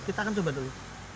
kita akan coba dulu